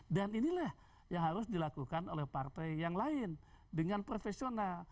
dan inilah yang harus dilakukan oleh partai yang lain dengan profesional